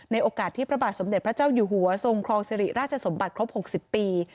โอกาสที่พระบาทสมเด็จพระเจ้าอยู่หัวทรงครองสิริราชสมบัติครบ๖๐ปี